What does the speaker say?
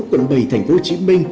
quận bảy tp hcm